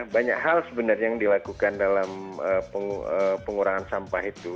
banyak hal sebenarnya yang dilakukan dalam pengurangan sampah itu